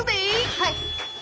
はい。